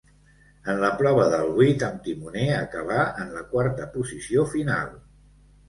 En la prova del vuit amb timoner acabà en la quarta posició final.